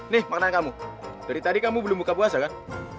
nih maknanya kamu dari tadi kamu belum buka puasa kan